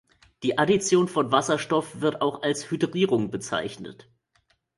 Die Addition von Wasserstoff wird auch als Hydrierung bezeichnet.